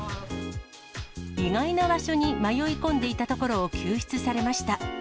意外な場所に迷い込んでいたところを救出されました。